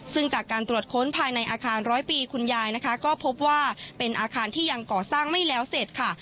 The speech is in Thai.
ซึ่งจากการตรวจค้นภายในอาคารร้อยปีคุณยายนะคะก็พบว่าเป็นอาคารที่ยังก่อสร้างไม่แล้วเสร็จค่ะ